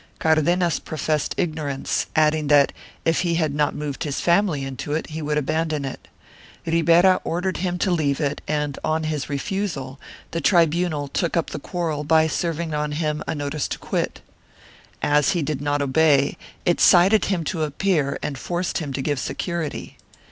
Cardenas professed igno rance, adding that, if he had not moved his family into it, he would abandon it. Ribera ordered him to leave it and, on his refusal, the tribunal took up the quarrel by serving on him a notice to quit. As he did not obey, it cited him to appear and forced him to give security.